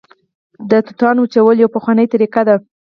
د توتانو وچول یوه پخوانۍ طریقه ده